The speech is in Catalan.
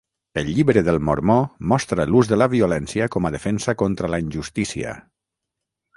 El Llibre del Mormó mostra l'ús de la violència com a defensa contra la injustícia.